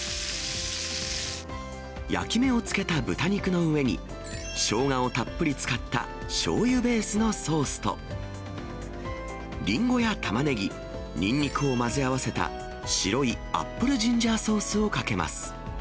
焼き目をつけた豚肉の上に、しょうがをたっぷり使ったしょうゆベースのソースと、りんごやたまねぎ、にんにくを混ぜ合わせた白いアップルジンジャーソースをかけます。